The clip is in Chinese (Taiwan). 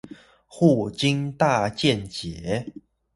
霍金大見解